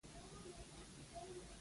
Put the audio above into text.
هیڅ د لوستلو او بدلولو لوری نه ويني.